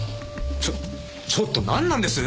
ちょちょっとなんなんです？